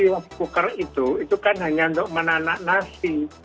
of cooker itu itu kan hanya untuk menanak nasi